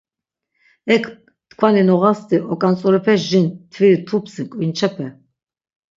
Ek, tkvani noğasti ok̆antzurepeş jin mtviri mtupsi k̆vinçepe?